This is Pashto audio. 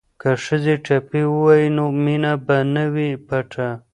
که ښځې ټپې ووايي نو مینه به نه وي پټه.